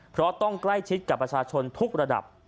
เพราะต้องใกล้ชิดกับประชาชนทุกระดับ